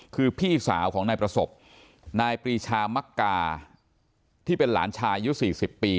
คือพี่สาวของนายประสบนายปรีชามักกาที่เป็นหลานชายอายุ๔๐ปี